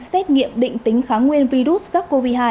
xét nghiệm định tính kháng nguyên virus sars cov hai